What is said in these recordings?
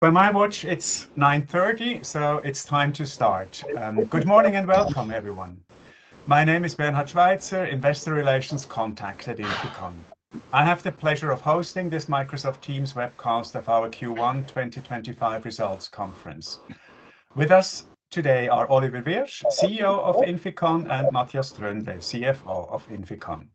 By my watch, it's 9:30, so it's time to start. Good morning and welcome, everyone. My name is Bernhard Schweizer, Investor Relations Contact at INFICON. I have the pleasure of hosting this Microsoft Teams webcast of our Q1 2025 results conference. With us today are Oliver Wyrsch, CEO of INFICON, and Matthias Tröndle, CFO of INFICON.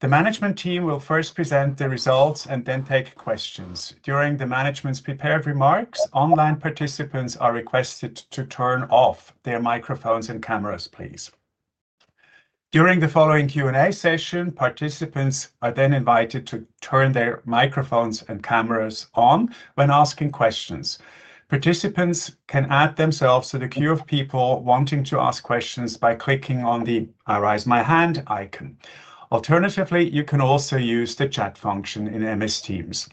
The management team will first present the results and then take questions. During the management's prepared remarks, online participants are requested to turn off their microphones and cameras, please. During the following Q&A session, participants are then invited to turn their microphones and cameras on when asking questions. Participants can add themselves to the queue of people wanting to ask questions by clicking on the Raise My Hand icon. Alternatively, you can also use the chat function in MS Teams.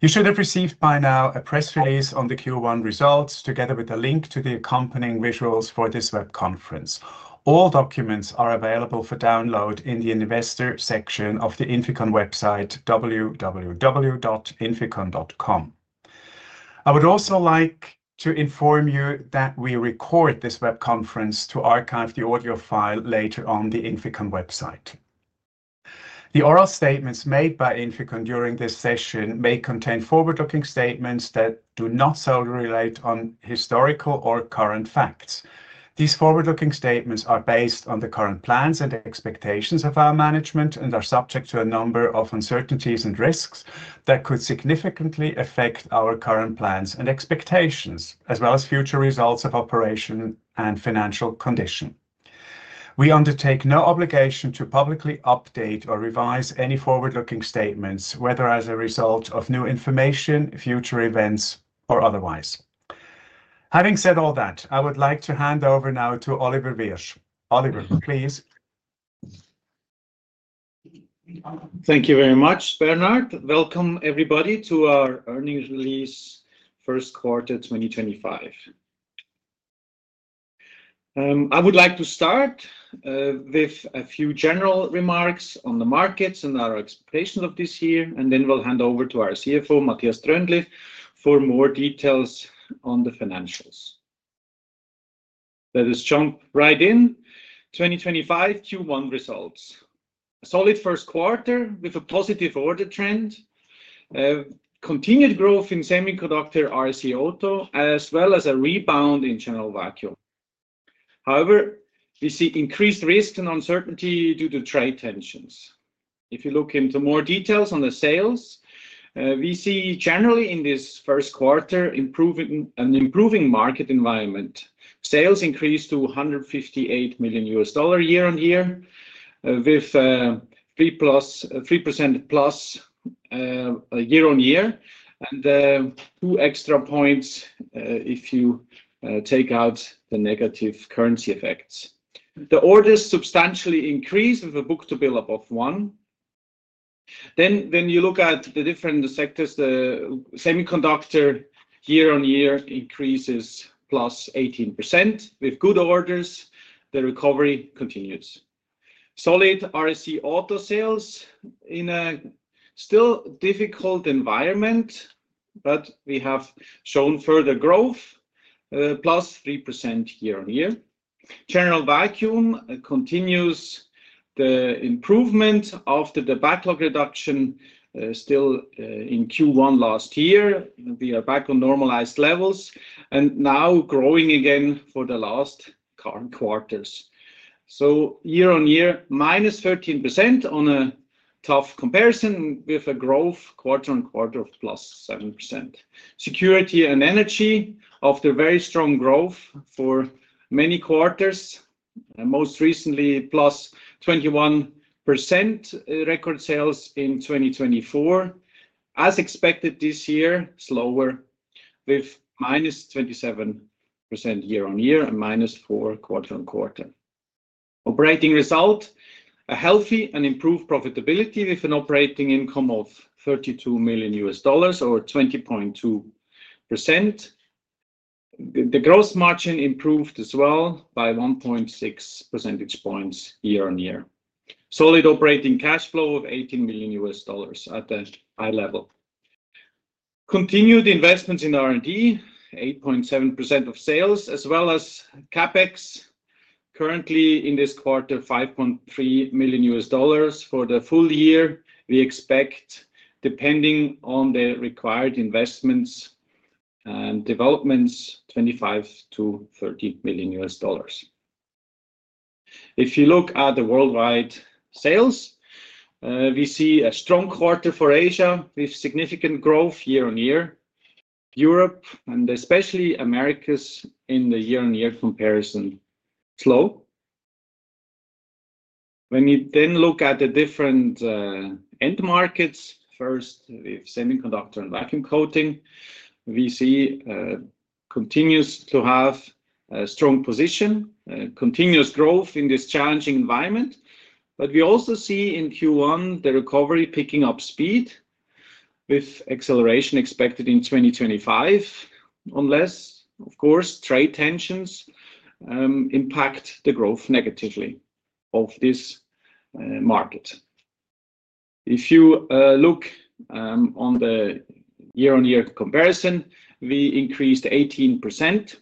You should have received by now a press release on the Q1 results together with a link to the accompanying visuals for this web conference. All documents are available for download in the Investor section of the INFICON website, www.inficon.com. I would also like to inform you that we record this web conference to archive the audio file later on the INFICON website. The oral statements made by INFICON during this session may contain forward-looking statements that do not solely relate on historical or current facts. These forward-looking statements are based on the current plans and expectations of our management and are subject to a number of uncertainties and risks that could significantly affect our current plans and expectations, as well as future results of operation and financial condition. We undertake no obligation to publicly update or revise any forward-looking statements, whether as a result of new information, future events, or otherwise. Having said all that, I would like to hand over now to Oliver Wyrsch. Oliver, please. Thank you very much, Bernhard. Welcome, everybody, to our earnings release, first quarter 2025. I would like to start with a few general remarks on the markets and our expectations of this year, and then we'll hand over to our CFO, Matthias Tröndle, for more details on the financials. Let us jump right in. 2025 Q1 results: a solid first quarter with a positive order trend, continued growth in semiconductor RC auto, as well as a rebound in general vacuum. However, we see increased risk and uncertainty due to trade tensions. If you look into more details on the sales, we see generally in this first quarter an improving market environment. Sales increased to $158 million year-on-year, with 3%+ year-on-year, and two extra points if you take out the negative currency effects. The orders substantially increased with a book-to-bill above one. When you look at the different sectors, the semiconductor year-on-year increases +18% with good orders. The recovery continues. Solid RC auto sales in a still difficult environment, but we have shown further growth, +3% year-on-year. General vacuum continues the improvement after the backlog reduction still in Q1 last year. We are back on normalized levels and now growing again for the last quarters. Year-on-year, -13% on a tough comparison with a growth quarter-on-quarter of +7%. Security and energy after very strong growth for many quarters, most recently +21% record sales in 2024. As expected this year, slower with -27% year-on-year and -4% quarter-on-quarter. Operating result: a healthy and improved profitability with an operating income of $32 million or 20.2%. The gross margin improved as well by 1.6 percentage points year-on-year. Solid operating cash flow of $18 million at a high level. Continued investments in R&D: 8.7% of sales, as well as CapEx, currently in this quarter $5.3 million for the full year. We expect, depending on the required investments and developments, $25 million-$30 million. If you look at the worldwide sales, we see a strong quarter for Asia with significant growth year-on-year. Europe and especially America's in the year-on-year comparison slow. When we then look at the different end markets, first with semiconductor and vacuum coating, we see continues to have a strong position, continuous growth in this challenging environment. We also see in Q1 the recovery picking up speed with acceleration expected in 2025, unless, of course, trade tensions impact the growth negatively of this market. If you look on the year-on-year comparison, we increased 18%.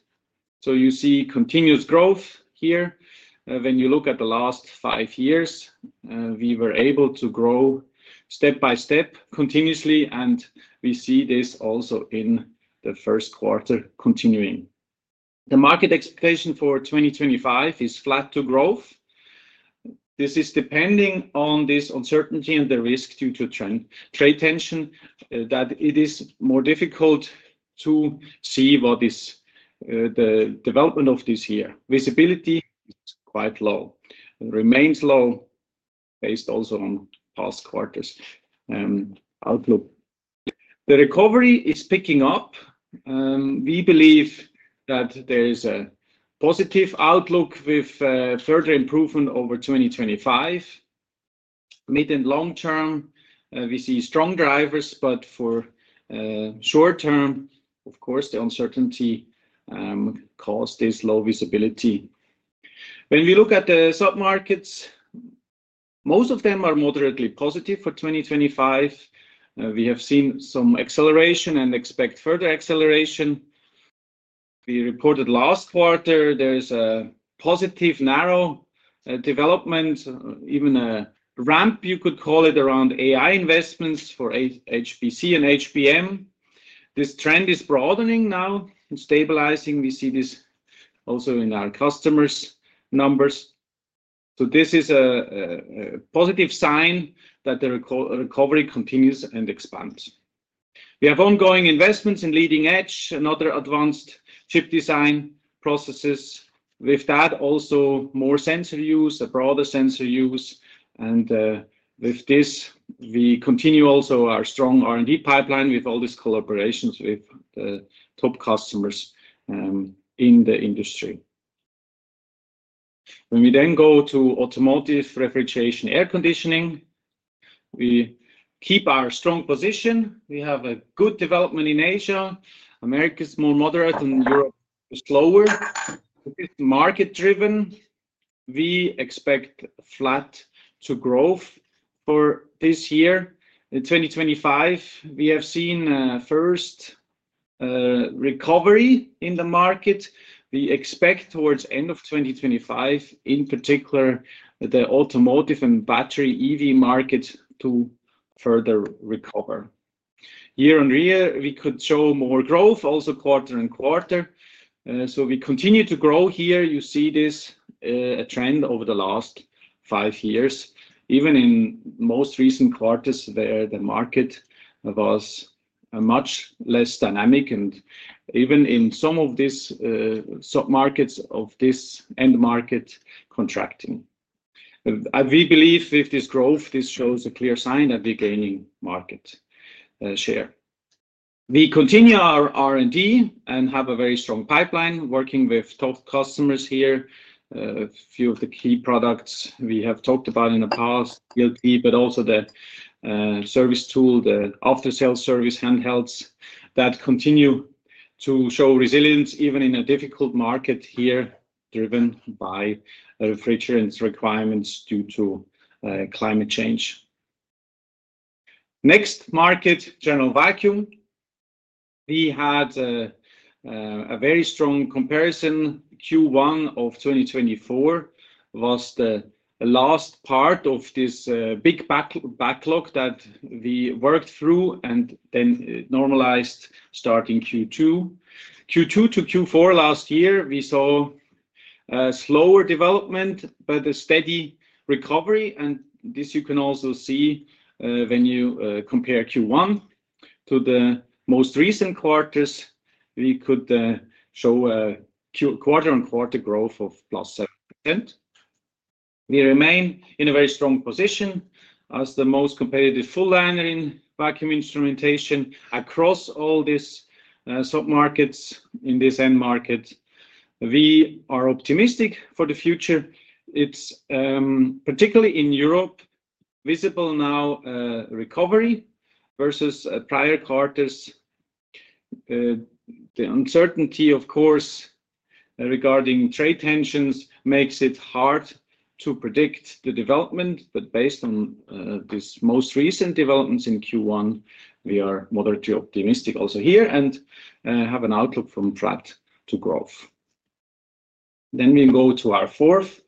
You see continuous growth here. When you look at the last five years, we were able to grow step by step continuously, and we see this also in the first quarter continuing. The market expectation for 2025 is flat to growth. This is depending on this uncertainty and the risk due to trade tension that it is more difficult to see what is the development of this year. Visibility is quite low. It remains low based also on past quarters outlook. The recovery is picking up. We believe that there is a positive outlook with further improvement over 2025. Mid and long term, we see strong drivers, but for short term, of course, the uncertainty caused this low visibility. When we look at the sub-markets, most of them are moderately positive for 2025. We have seen some acceleration and expect further acceleration. We reported last quarter there is a positive narrow development, even a ramp, you could call it, around AI investments for HPC and HBM. This trend is broadening now and stabilizing. We see this also in our customers' numbers. This is a positive sign that the recovery continues and expands. We have ongoing investments in leading edge, another advanced chip design processes. With that, also more sensor use, a broader sensor use. With this, we continue also our strong R&D pipeline with all these collaborations with the top customers in the industry. When we then go to automotive refrigeration air conditioning, we keep our strong position. We have a good development in Asia. America is more moderate and Europe is slower. Market-driven, we expect flat to growth for this year. In 2025, we have seen first recovery in the market. We expect towards the end of 2025, in particular, the automotive and battery EV market to further recover. Year-on-year, we could show more growth also quarter-on-quarter. We continue to grow here. You see this trend over the last five years, even in most recent quarters where the market was much less dynamic and even in some of these sub-markets of this end market contracting. We believe with this growth, this shows a clear sign that we're gaining market share. We continue our R&D and have a very strong pipeline working with top customers here. A few of the key products we have talked about in the past, but also the service tool, the after-sales service handhelds that continue to show resilience even in a difficult market here driven by refrigerants requirements due to climate change. Next market, general vacuum. We had a very strong comparison. Q1 of 2024 was the last part of this big backlog that we worked through and then normalized starting Q2. Q2 to Q4 last year, we saw slower development, but a steady recovery. This you can also see when you compare Q1 to the most recent quarters. We could show a quarter-on-quarter growth of +7%. We remain in a very strong position as the most competitive full-liner in vacuum instrumentation across all these sub-markets in this end market. We are optimistic for the future. It is particularly in Europe visible now, recovery versus prior quarters. The uncertainty, of course, regarding trade tensions makes it hard to predict the development. Based on these most recent developments in Q1, we are moderately optimistic also here and have an outlook from flat to growth. We go to our fourth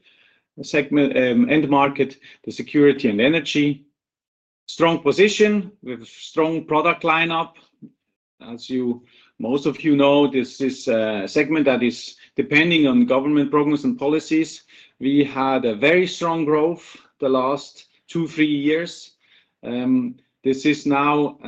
segment, end market, the security and energy. Strong position with strong product lineup. As most of you know, this is a segment that is depending on government programs and policies. We had a very strong growth the last two, three years. This is now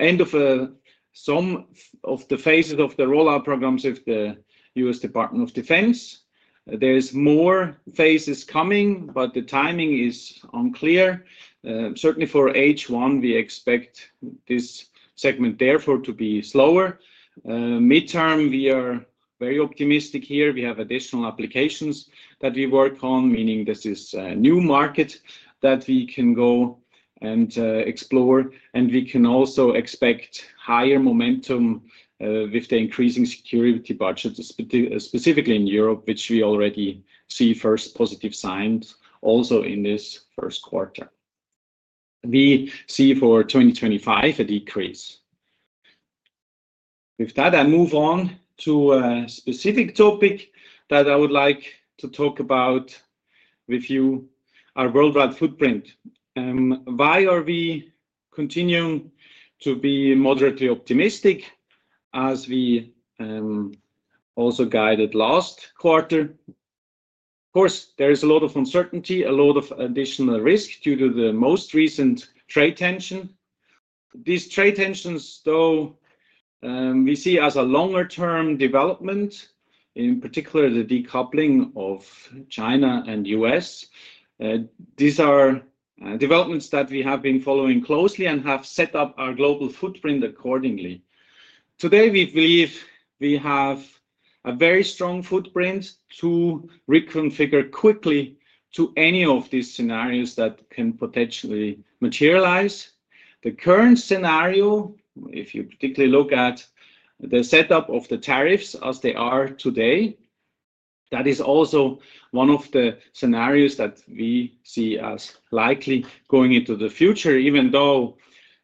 end of some of the phases of the rollout programs with the U.S. Department of Defense. There are more phases coming, but the timing is unclear. Certainly for H1, we expect this segment therefore to be slower. Midterm, we are very optimistic here. We have additional applications that we work on, meaning this is a new market that we can go and explore. We can also expect higher momentum with the increasing security budget, specifically in Europe, which we already see first positive signs also in this first quarter. We see for 2025 a decrease. With that, I move on to a specific topic that I would like to talk about with you, our worldwide footprint. Why are we continuing to be moderately optimistic as we also guided last quarter? Of course, there is a lot of uncertainty, a lot of additional risk due to the most recent trade tension. These trade tensions, though, we see as a longer-term development, in particular the decoupling of China and U.S. These are developments that we have been following closely and have set up our global footprint accordingly. Today, we believe we have a very strong footprint to reconfigure quickly to any of these scenarios that can potentially materialize. The current scenario, if you particularly look at the setup of the tariffs as they are today, that is also one of the scenarios that we see as likely going into the future, even though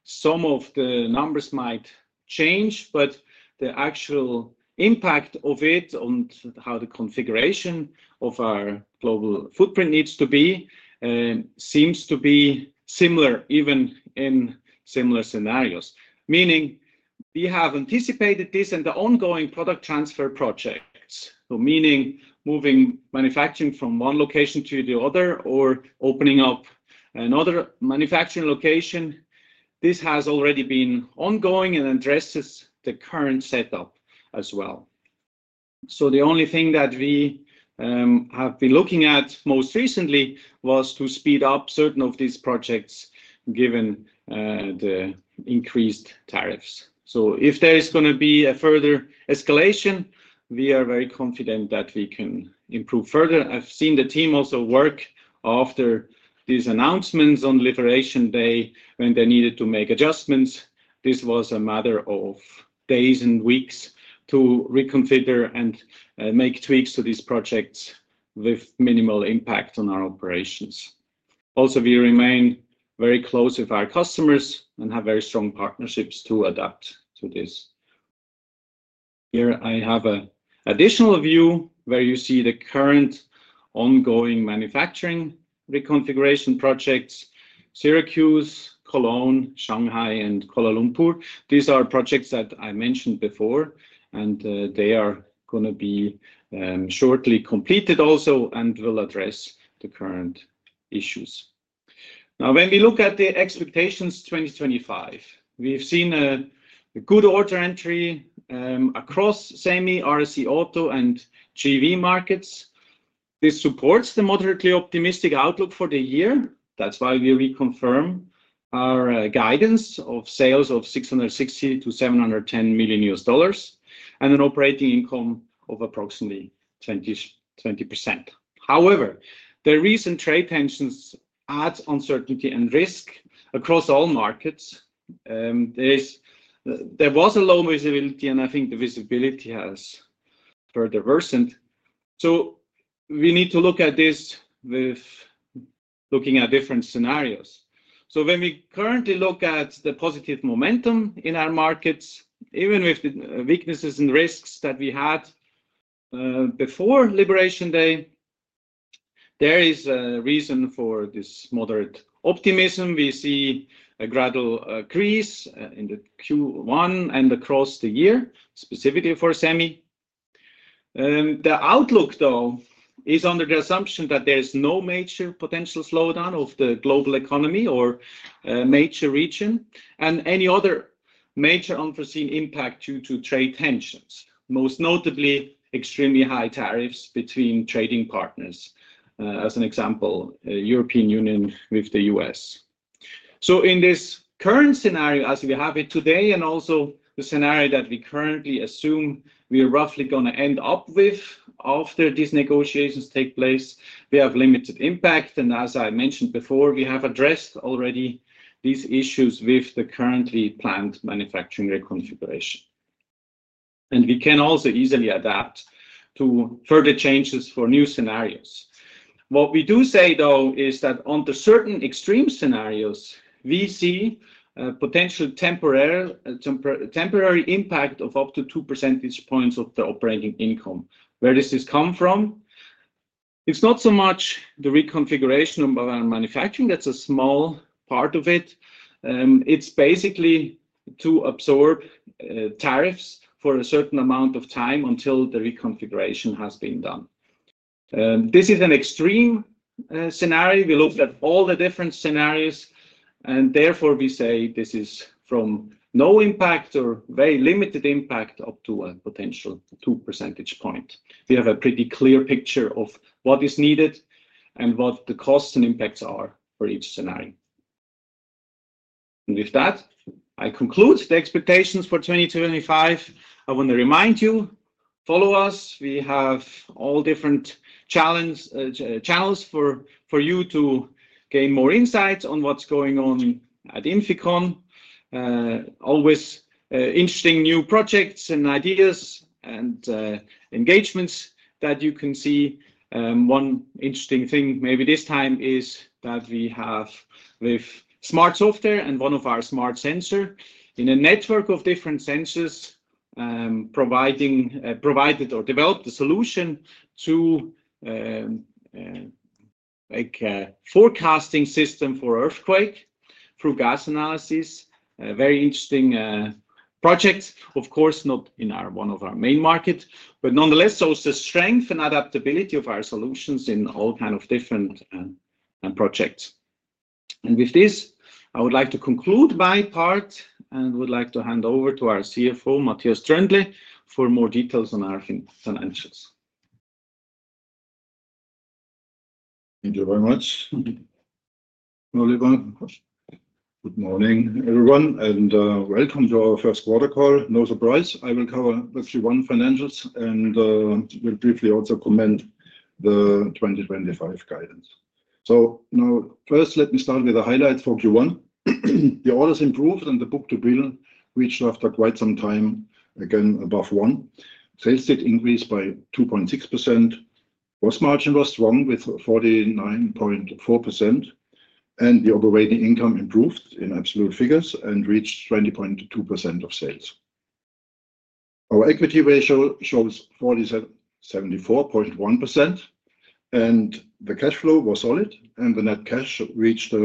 some of the numbers might change. The actual impact of it and how the configuration of our global footprint needs to be seems to be similar even in similar scenarios. Meaning we have anticipated this and the ongoing product transfer projects, meaning moving manufacturing from one location to the other or opening up another manufacturing location. This has already been ongoing and addresses the current setup as well. The only thing that we have been looking at most recently was to speed up certain of these projects given the increased tariffs. If there is going to be a further escalation, we are very confident that we can improve further. I've seen the team also work after these announcements on Liberation Day when they needed to make adjustments. This was a matter of days and weeks to reconfigure and make tweaks to these projects with minimal impact on our operations. Also, we remain very close with our customers and have very strong partnerships to adapt to this. Here I have an additional view where you see the current ongoing manufacturing reconfiguration projects: Syracuse, Cologne, Shanghai, and Kuala Lumpur. These are projects that I mentioned before, and they are going to be shortly completed also and will address the current issues. Now, when we look at the expectations 2025, we've seen a good order entry across semi, RSC, auto, and GV markets. This supports the moderately optimistic outlook for the year. That's why we reconfirm our guidance of sales of $660 million to $710 million and an operating income of approximately 20%. However, the recent trade tensions add uncertainty and risk across all markets. There was a low visibility, and I think the visibility has further worsened. We need to look at this with looking at different scenarios. When we currently look at the positive momentum in our markets, even with the weaknesses and risks that we had before Liberation Day, there is a reason for this moderate optimism. We see a gradual increase in the Q1 and across the year, specifically for semi. The outlook, though, is under the assumption that there is no major potential slowdown of the global economy or major region and any other major unforeseen impact due to trade tensions, most notably extremely high tariffs between trading partners, as an example, the European Union with the U.S. In this current scenario, as we have it today, and also the scenario that we currently assume we are roughly going to end up with after these negotiations take place, we have limited impact. As I mentioned before, we have addressed already these issues with the currently planned manufacturing reconfiguration. We can also easily adapt to further changes for new scenarios. What we do say, though, is that under certain extreme scenarios, we see a potential temporary impact of up to 2 percentage points of the operating income. Where does this come from? It's not so much the reconfiguration of our manufacturing. That's a small part of it. It's basically to absorb tariffs for a certain amount of time until the reconfiguration has been done. This is an extreme scenario. We looked at all the different scenarios, therefore we say this is from no impact or very limited impact up to a potential 2 percentage point. We have a pretty clear picture of what is needed and what the costs and impacts are for each scenario. With that, I conclude the expectations for 2025. I want to remind you, follow us. We have all different channels for you to gain more insights on what's going on at INFICON. Always interesting new projects and ideas and engagements that you can see. One interesting thing maybe this time is that we have with smart software and one of our smart sensors in a network of different sensors provided or developed a solution to a forecasting system for earthquake through gas analysis. Very interesting project, of course, not in one of our main markets, but nonetheless, also strength and adaptability of our solutions in all kinds of different projects. With this, I would like to conclude my part and would like to hand over to our CFO, Matthias Tröndle, for more details on our financials. Thank you very much. Oliver, good morning, everyone, and welcome to our first quarter call. No surprise. I will cover actually one financials and will briefly also comment on the 2025 guidance. Now, first, let me start with the highlights for Q1. The orders improved and the book-to-bill reached after quite some time, again, above one. Sales did increase by 2.6%. Gross margin was strong with 49.4%. The operating income improved in absolute figures and reached 20.2% of sales. Our equity ratio shows 474.1%. The cash flow was solid. The net cash reached a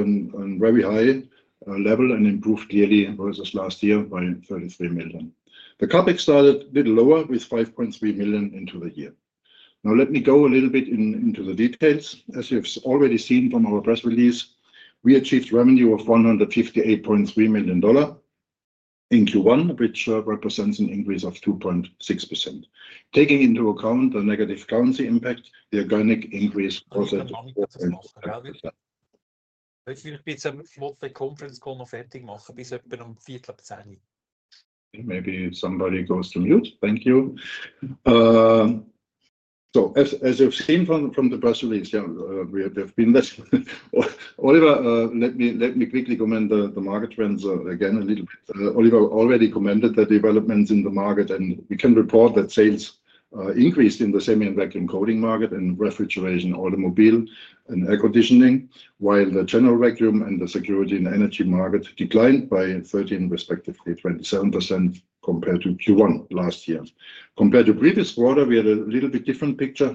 very high level and improved yearly versus last year by $33 million. The CapEx started a bit lower with $5.3 million into the year. Now, let me go a little bit into the details. As you've already seen from our press release, we achieved revenue of $158.3 million in Q1, which represents an increase of 2.6%. Taking into account the negative currency impact, the organic increase was at. Ich würde jetzt mal kurz sagen, wir müssen bitte einen Konferenzcall noch fertig machen, bis etwa 10:15 Uhr. Maybe somebody goes to mute. Thank you. As you've seen from the press release, yeah, we have been there. Oliver, let me quickly comment on the market trends again a little bit. Oliver already commented on the developments in the market, and we can report that sales increased in the semi and vacuum coating market and refrigeration, automobile, and air conditioning, while the general vacuum and the security and energy market declined by 13%, respectively 27% compared to Q1 last year. Compared to the previous quarter, we had a little bit different picture,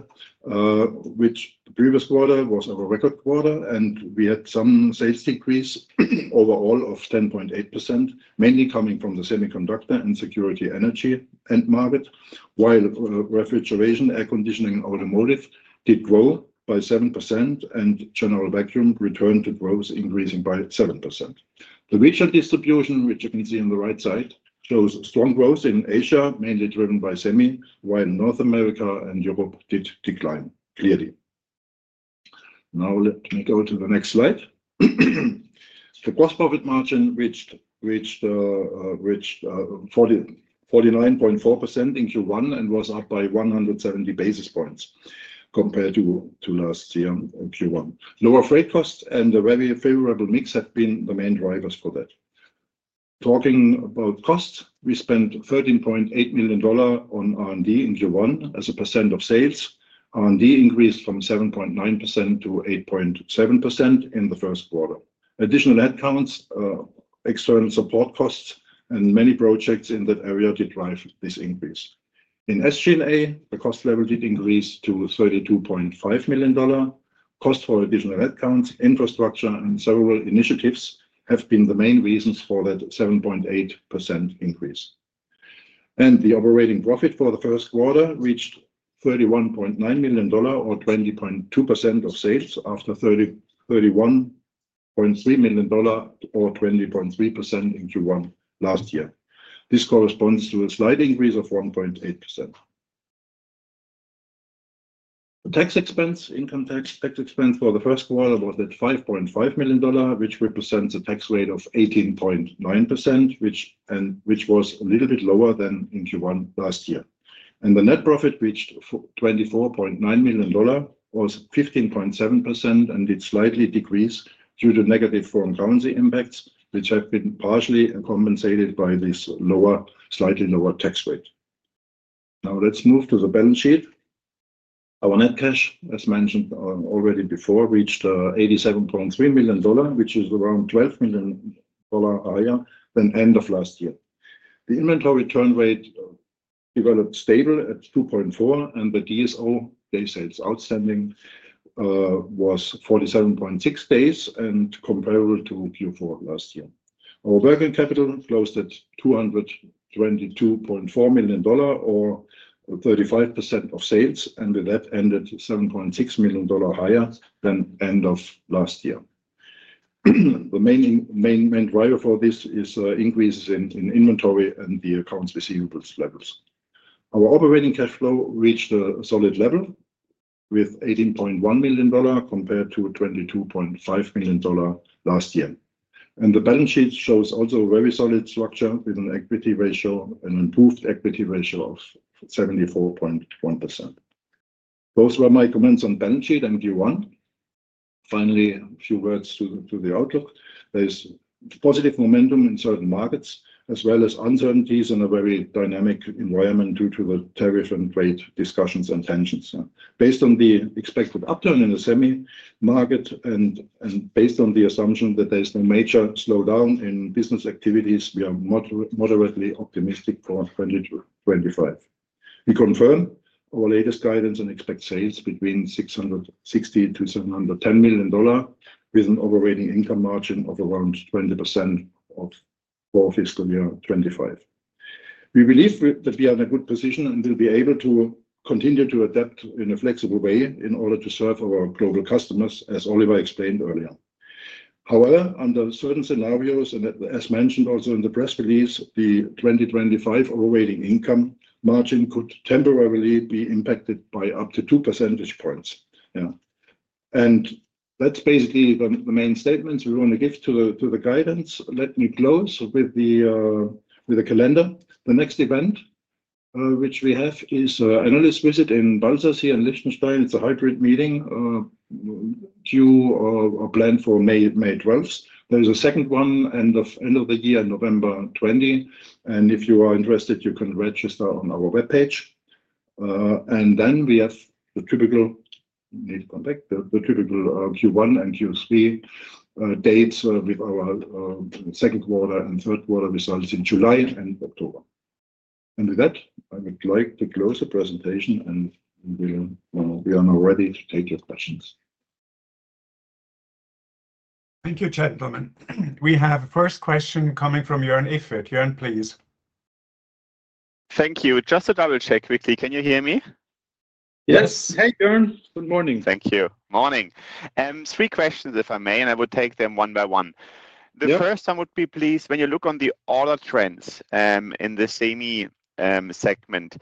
which the previous quarter was our record quarter, and we had some sales decrease overall of 10.8%, mainly coming from the semiconductor and security energy end market, while refrigeration, air conditioning, and automotive did grow by 7%, and general vacuum returned to growth, increasing by 7%. The regional distribution, which you can see on the right side, shows strong growth in Asia, mainly driven by semi, while North America and Europe did decline clearly. Now, let me go to the next slide. The gross profit margin reached 49.4% in Q1 and was up by 170 basis points compared to last year in Q1. Lower freight costs and a very favorable mix have been the main drivers for that. Talking about cost, we spent $13.8 million on R&D in Q1 as a percent of sales. R&D increased from 7.9%-8.7% in the first quarter. Additional headcounts, external support costs, and many projects in that area did drive this increase. In SG&A, the cost level did increase to $32.5 million. Cost for additional headcounts, infrastructure, and several initiatives have been the main reasons for that 7.8% increase. The operating profit for the first quarter reached $31.9 million, or 20.2% of sales, after $31.3 million, or 20.3% in Q1 last year. This corresponds to a slight increase of 1.8%. The tax expense, income tax expense for the first quarter was at $5.5 million, which represents a tax rate of 18.9%, which was a little bit lower than in Q1 last year. The net profit reached $24.9 million, was 15.7%, and did slightly decrease due to negative foreign currency impacts, which have been partially compensated by this lower, slightly lower tax rate. Now, let's move to the balance sheet. Our net cash, as mentioned already before, reached $87.3 million, which is around $12 million higher than end of last year. The inventory turn rate developed stable at 2.4, and the DSO, Day Sales Outstanding, was 47.6 days and comparable to Q4 last year. Our working capital closed at $222.4 million, or 35% of sales, and with that ended $7.6 million higher than end of last year. The main driver for this is increases in inventory and the accounts receivables levels. Our operating cash flow reached a solid level with $18.1 million compared to $22.5 million last year. The balance sheet shows also a very solid structure with an equity ratio and improved equity ratio of 74.1%. Those were my comments on balance sheet and Q1. Finally, a few words to the outlook. There is positive momentum in certain markets, as well as uncertainties in a very dynamic environment due to the tariff and trade discussions and tensions. Based on the expected upturn in the semi market and based on the assumption that there is no major slowdown in business activities, we are moderately optimistic for 2025. We confirm our latest guidance and expect sales between $660 million to $710 million with an operating income margin of around 20% for fiscal year 2025. We believe that we are in a good position and will be able to continue to adapt in a flexible way in order to serve our global customers, as Oliver explained earlier. However, under certain scenarios, and as mentioned also in the press release, the 2025 operating income margin could temporarily be impacted by up to 2 percentage points. Yeah. That is basically the main statements we want to give to the guidance. Let me close with the calendar. The next event, which we have, is an analyst visit in Balzers here in Liechtenstein. It is a hybrid meeting planned for May 12th. There is a second one at the end of the year in November 2025. If you are interested, you can register on our web page. We have the typical, need to come back, the typical Q1 and Q3 dates with our second quarter and third quarter results in July and October. With that, I would like to close the presentation, and we are now ready to take your questions. Thank you, gentlemen. We have a first question coming from Jørn Ifrit. Jørn, please. Thank you. Just to double-check quickly, can you hear me? Yes. Hey, Jørn. Good morning. Thank you. Morning. Three questions, if I may, and I will take them one by one. The first one would be, please, when you look on the order trends in the semi segment,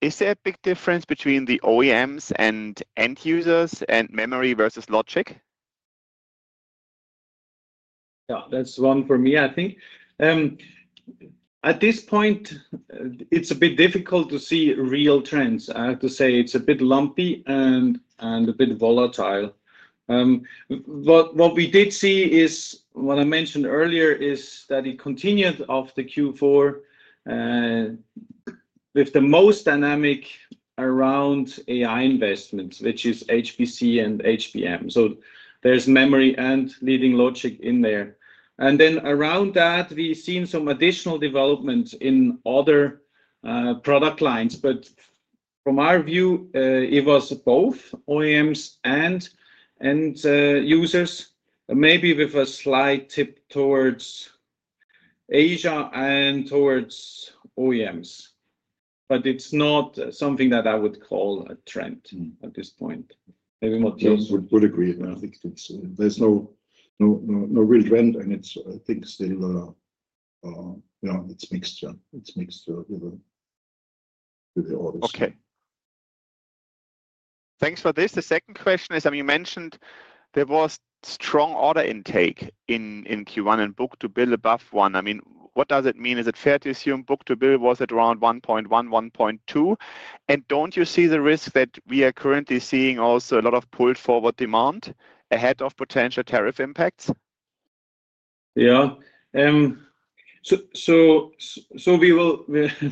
is there a big difference between the OEMs and end users and memory versus logic? Yeah, that's one for me, I think. At this point, it's a bit difficult to see real trends. I have to say it's a bit lumpy and a bit volatile. What we did see is, what I mentioned earlier, is that it continued off the Q4 with the most dynamic around AI investments, which is HPC and HBM. So there's memory and leading logic in there. And then around that, we've seen some additional developments in other product lines. From our view, it was both OEMs and users, maybe with a slight tip towards Asia and towards OEMs. It's not something that I would call a trend at this point. Maybe Matthias would agree. I think there's no real trend, and I think still it's mixed with the orders. Okay. Thanks for this. The second question is, I mean, you mentioned there was strong order intake in Q1 and book-to-bill above one. I mean, what does it mean? Is it fair to assume book-to-bill was at around 1.1, 1.2? Don't you see the risk that we are currently seeing also a lot of pull forward demand ahead of potential tariff impacts? Yeah. We were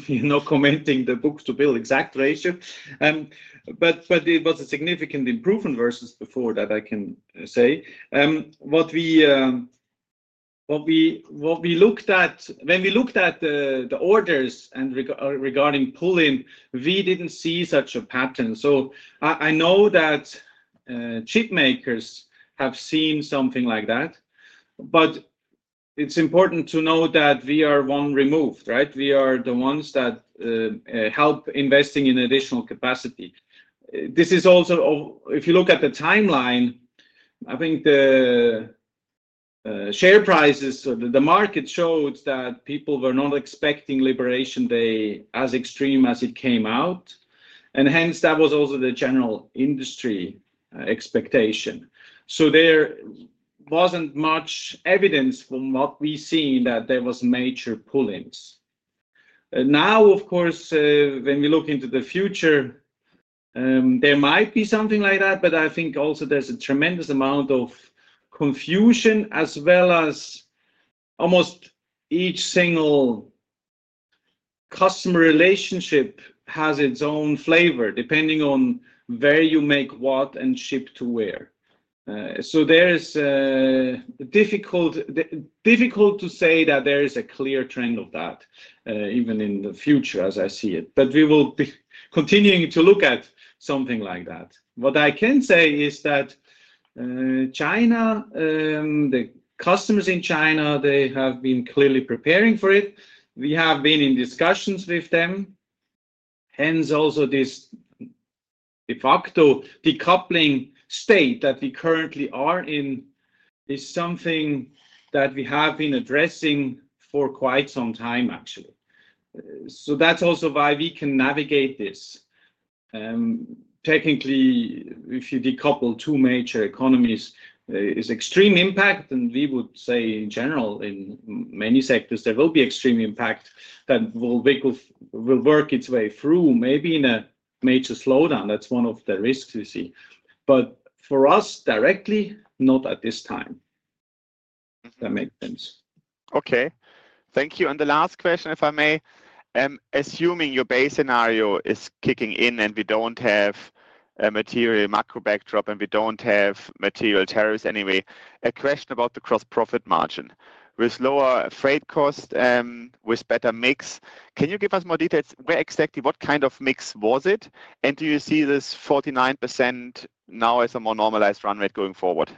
not commenting the book-to-bill exact ratio. It was a significant improvement versus before, that I can say. What we looked at, when we looked at the orders regarding pulling, we didn't see such a pattern. I know that chipmakers have seen something like that. It's important to know that we are one removed, right? We are the ones that help investing in additional capacity. This is also, if you look at the timeline, I think the share prices, the market showed that people were not expecting Liberation Day as extreme as it came out. Hence, that was also the general industry expectation. There was not much evidence from what we see that there were major pull-ins. Of course, when we look into the future, there might be something like that, but I think also there is a tremendous amount of confusion, as well as almost each single customer relationship has its own flavor, depending on where you make what and ship to where. It is difficult to say that there is a clear trend of that, even in the future, as I see it. We will be continuing to look at something like that. What I can say is that China, the customers in China, they have been clearly preparing for it. We have been in discussions with them. Hence, also this de facto decoupling state that we currently are in is something that we have been addressing for quite some time, actually. That is also why we can navigate this. Technically, if you decouple two major economies, it's extreme impact, and we would say in general, in many sectors, there will be extreme impact that will work its way through, maybe in a major slowdown. That's one of the risks we see. For us directly, not at this time. If that makes sense. Thank you. The last question, if I may, assuming your base scenario is kicking in and we don't have a material macro backdrop and we don't have material tariffs anyway, a question about the gross profit margin. With lower freight cost, with better mix, can you give us more details? Where exactly, what kind of mix was it? Do you see this 49% now as a more normalized run rate going forward?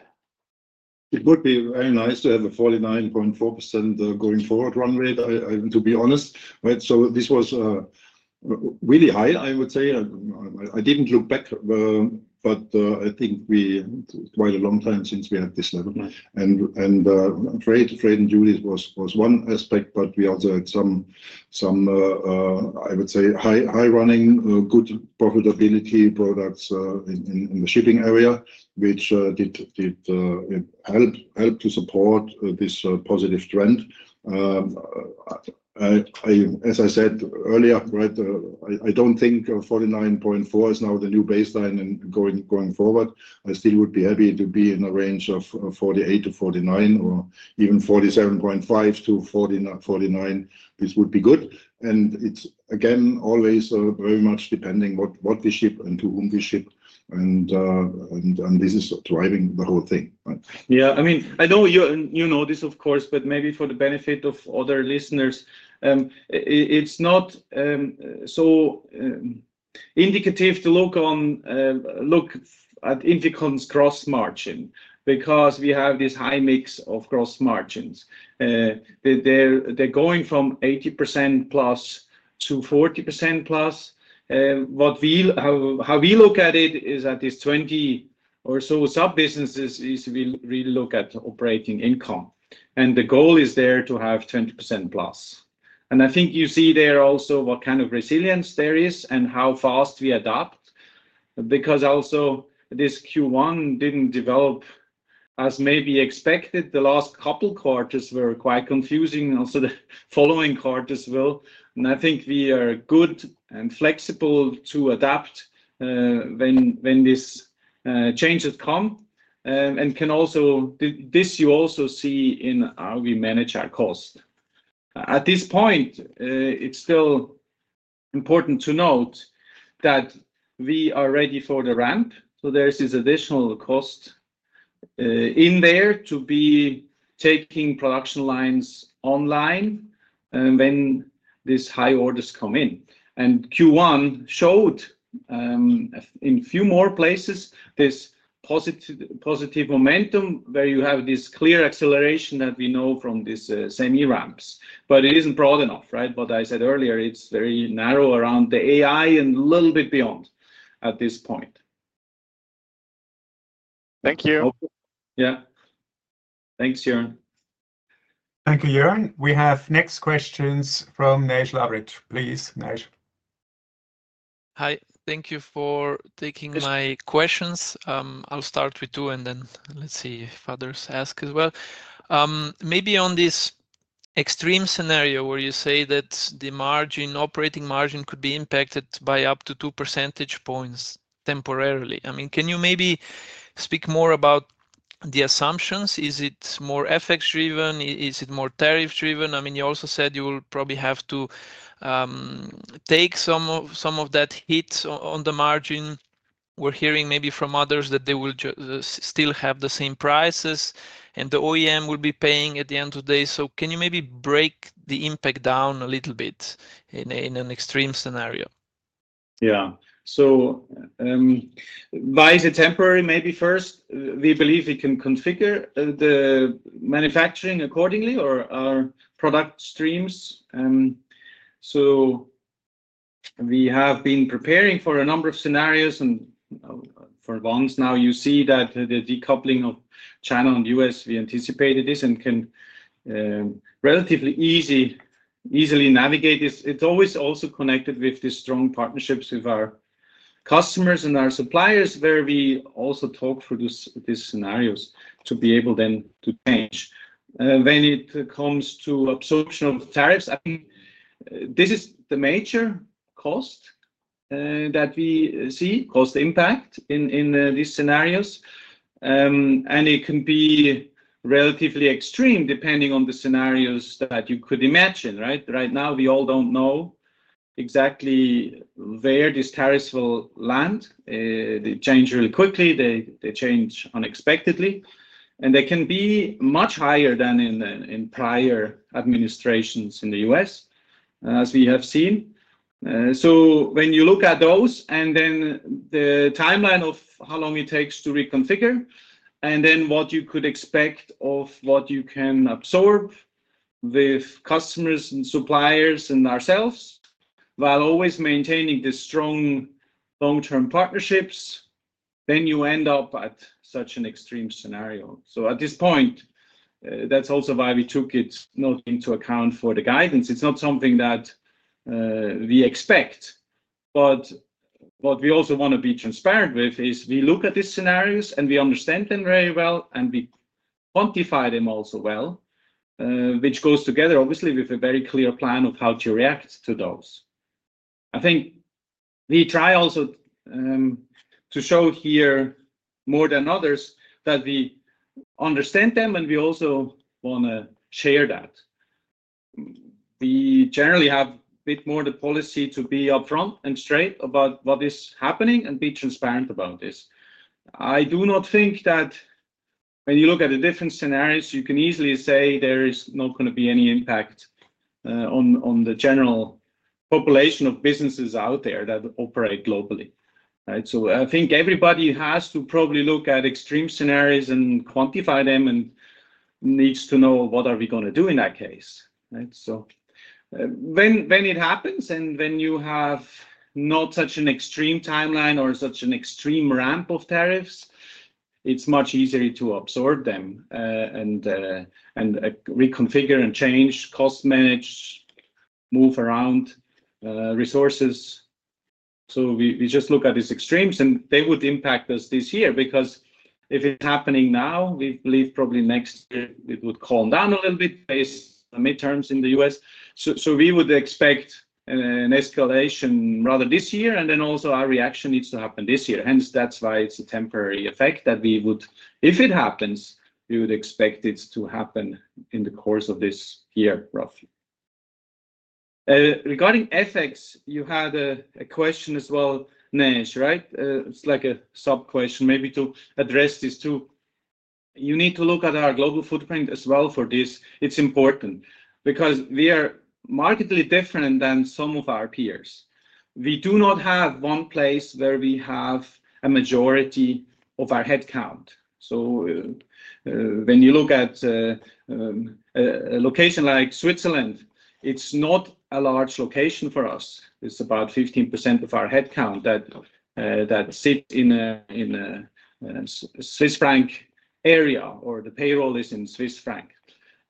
It would be very nice to have a 49.4% going forward run rate, to be honest. This was really high, I would say. I did not look back, but I think quite a long time since we had this level. Trade and duties was one aspect, but we also had some, I would say, high-running, good profitability products in the shipping area, which did help to support this positive trend. As I said earlier, I do not think 49.4% is now the new baseline going forward. I still would be happy to be in a range of 48%-49% or even 47.5%-49%. This would be good. It is, again, always very much depending what we ship and to whom we ship. This is driving the whole thing. I mean, I know you know this, of course, but maybe for the benefit of other listeners, it is not so indicative to look at INFICON's gross margin because we have this high mix of gross margins. They're going from 80%+ to 40%+. How we look at it is that these 20 or so sub-businesses will really look at operating income. The goal is there to have 20%+. I think you see there also what kind of resilience there is and how fast we adapt. Because also this Q1 didn't develop as maybe expected. The last couple quarters were quite confusing. Also, the following quarters will. I think we are good and flexible to adapt when these changes come. This you also see in how we manage our cost. At this point, it's still important to note that we are ready for the ramp. There's this additional cost in there to be taking production lines online when these high orders come in. Q1 showed in a few more places this positive momentum where you have this clear acceleration that we know from these semi ramps. It is not broad enough, right? What I said earlier, it is very narrow around the AI and a little bit beyond at this point. Thank you. Yeah. Thanks, Jørn. Thank you, Jørn. We have next questions from Nigel Albrecht. Please, Nigel. Hi. Thank you for taking my questions. I will start with two and then let's see if others ask as well. Maybe on this extreme scenario where you say that the operating margin could be impacted by up to 2 percentage points temporarily. I mean, can you maybe speak more about the assumptions? Is it more FX-driven? Is it more tariff-driven? I mean, you also said you will probably have to take some of that hit on the margin. We're hearing maybe from others that they will still have the same prices and the OEM will be paying at the end of the day. Can you maybe break the impact down a little bit in an extreme scenario? Yeah. Why is it temporary maybe first? We believe we can configure the manufacturing accordingly or our product streams. We have been preparing for a number of scenarios and for once now you see that the decoupling of China and the US, we anticipated this and can relatively easily navigate this. It is always also connected with the strong partnerships with our customers and our suppliers where we also talk through these scenarios to be able then to change. When it comes to absorption of tariffs, I mean, this is the major cost that we see, cost impact in these scenarios. It can be relatively extreme depending on the scenarios that you could imagine, right? Right now, we all do not know exactly where these tariffs will land. They change really quickly. They change unexpectedly. They can be much higher than in prior administrations in the US, as we have seen. When you look at those and then the timeline of how long it takes to reconfigure and then what you could expect of what you can absorb with customers and suppliers and ourselves while always maintaining the strong long-term partnerships, you end up at such an extreme scenario. At this point, that is also why we took it not into account for the guidance. It is not something that we expect. What we also want to be transparent with is we look at these scenarios and we understand them very well and we quantify them also well, which goes together, obviously, with a very clear plan of how to react to those. I think we try also to show here more than others that we understand them and we also want to share that. We generally have a bit more the policy to be upfront and straight about what is happening and be transparent about this. I do not think that when you look at the different scenarios, you can easily say there is not going to be any impact on the general population of businesses out there that operate globally. I think everybody has to probably look at extreme scenarios and quantify them and needs to know what are we going to do in that case. When it happens and when you have not such an extreme timeline or such an extreme ramp of tariffs, it's much easier to absorb them and reconfigure and change cost, manage, move around resources. We just look at these extremes and they would impact us this year because if it's happening now, we believe probably next year it would calm down a little bit based on midterms in the US. We would expect an escalation rather this year and then also our reaction needs to happen this year. Hence, that's why it's a temporary effect that we would, if it happens, we would expect it to happen in the course of this year, roughly. Regarding FX, you had a question as well, Nigel, right? It's like a sub-question maybe to address these two. You need to look at our global footprint as well for this. It's important because we are markedly different than some of our peers. We do not have one place where we have a majority of our headcount. When you look at a location like Switzerland, it's not a large location for us. It's about 15% of our headcount that sit in a Swiss franc area or the payroll is in Swiss franc.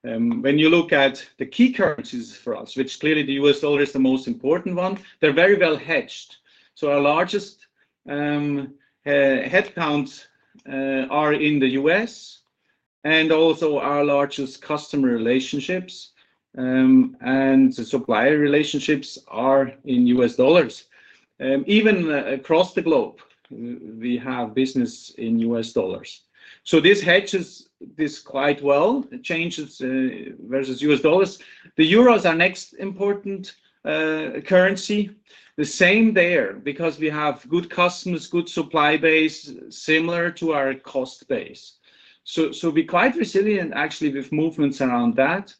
When you look at the key currencies for us, which clearly the U.S. dollar is the most important one, they're very well hedged. Our largest headcounts are in the U.S. and also our largest customer relationships and supplier relationships are in U.S. dollars. Even across the globe, we have business in U.S. dollars. This hedges this quite well, changes versus U.S. dollars. The euro is our next important currency. The same there because we have good customers, good supply base, similar to our cost base. We're quite resilient, actually, with movements around that.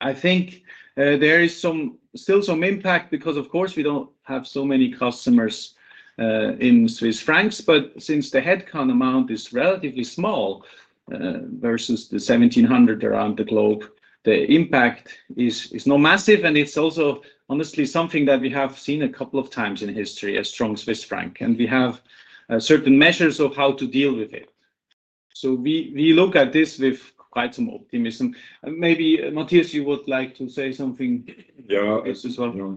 I think there is still some impact because, of course, we do not have so many customers in Swiss francs. Since the headcount amount is relatively small versus the 1,700 around the globe, the impact is not massive. It is also, honestly, something that we have seen a couple of times in history, a strong Swiss franc. We have certain measures of how to deal with it. We look at this with quite some optimism. Maybe Matthias, you would like to say something as well? Yeah.